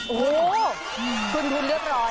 โอ้โหคุณเรียบร้อย